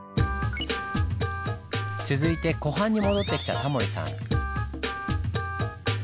続いて湖畔に戻ってきたタモリさん。